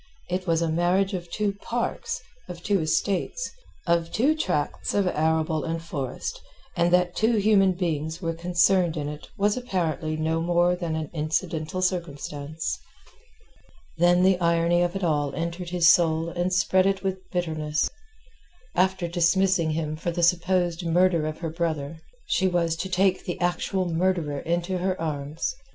It was a marriage of two parks, of two estates, of two tracts of arable and forest, and that two human beings were concerned in it was apparently no more than an incidental circumstance. Then the irony of it all entered his soul and spread it with bitterness. After dismissing him for the supposed murder of her brother, she was to take the actual murderer to her arms.